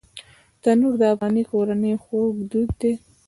تنور د افغاني کورنۍ خوږ دود دی